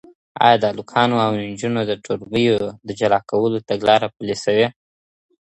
آیا د هلکانو او نجونو د ټولګیو د جلا کولو تګلاره پلې سوه؟